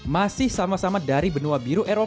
masih sama sama dari benua biru eropa